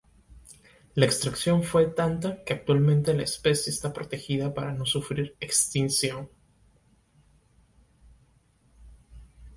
La extracción fue tanta que actualmente la especie está protegida para no sufrir extinción.